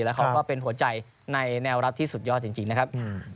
แล้วเขาก็เป็นหัวใจในแนวรับที่สุดยอดจริงนะครับ